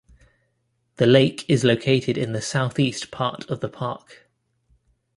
The lake is located in the south east part of the park.